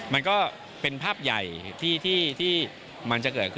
มันก็เป็นภาพใหญ่ที่มันจะเกิดขึ้น